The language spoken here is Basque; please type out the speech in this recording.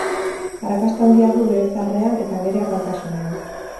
Arrakasta handia du bere zaharrean eta bere apaltasunean.